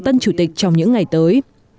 tân chủ tịch trong những ngày tới